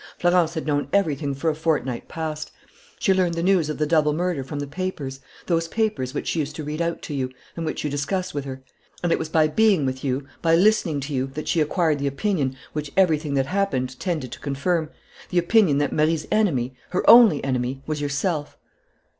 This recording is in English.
Florence had known everything for a fortnight past. She learnt the news of the double murder from the papers, those papers which she used to read out to you, and which you discussed with her. And it was by being with you, by listening to you, that she acquired the opinion which everything that happened tended to confirm: the opinion that Marie's enemy, her only enemy, was yourself."